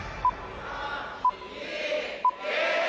３２１。